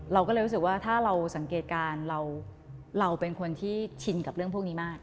เราก็เลยรู้สึกว่าถ้าเราสังเกตการณ์เราเป็นคนที่ชินกับเรื่องพวกนี้มาก